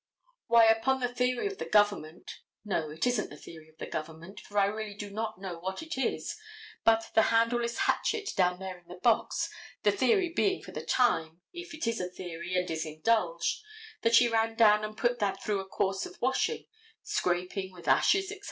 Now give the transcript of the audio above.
Why, upon the theory of the government—no, it isn't the theory of the government, for I really do not know what it is, but the handleless hatchet down there in the box, the theory being for the time, if it is a theory and is indulged, that she ran down and put that through a course of washing, scraping with ashes, etc.